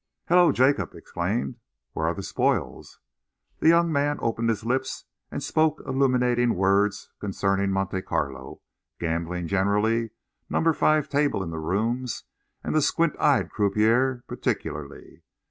"Hullo!" Jacob exclaimed. "Where are the spoils?" The young man opened his lips and spoke illuminating words concerning Monte Carlo, gambling generally, number five table in the Rooms, and the squint eyed croupier particularly.